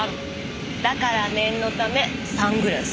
だから念のためサングラス。